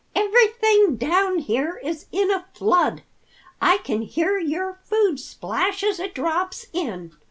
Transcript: "Everything down here is in a flood. I can hear your food splash as it drops in.